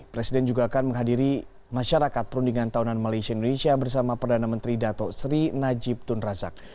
presiden juga akan menghadiri masyarakat perundingan tahunan malaysia indonesia bersama perdana menteri dato sri najib tun razak